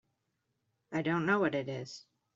I don't know what it is.